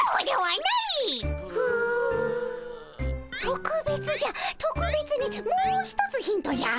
とくべつじゃとくべつにもう一つヒントじゃ。